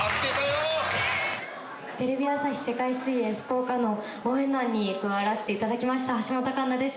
テレビ朝日世界水泳福岡の応援団に加わらせて頂きました橋本環奈です。